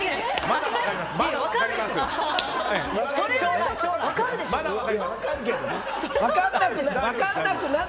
まだ分かります。